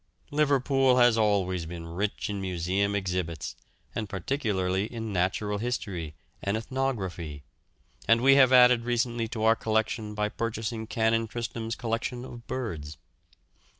Liverpool has always been rich in museum exhibits, and particularly in natural history and ethnography, and we have added recently to our collection by purchasing Canon Tristram's collection of birds.